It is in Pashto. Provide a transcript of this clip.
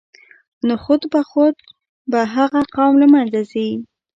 نو خود به خود به هغه قوم له منځه ځي.